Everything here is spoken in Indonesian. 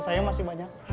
sayang masih banyak